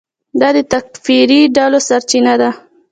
دا د تکفیري ډلو سرچینه ده.